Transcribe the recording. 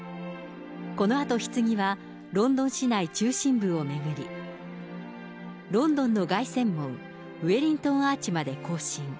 このあと、ひつぎはロンドン市内中心部を巡り、ロンドンの凱旋門、ウェリントン・アーチまで行進。